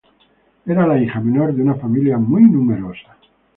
Era la hija menor de una familia muy numerosa.